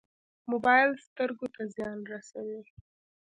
موبایل سترګو ته زیان رسوي